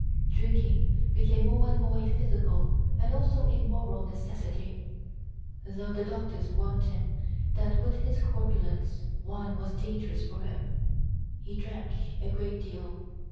Drinking became more and more a physical and also a moral necessity. Though the doctors warned him that with his corpulence wine was dangerous for him, he drank a great deal.